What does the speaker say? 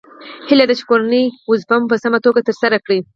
هیله ده چې کورنۍ دنده مو په سمه توګه ترسره کړئ